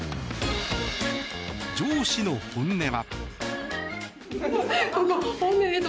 上司の本音は。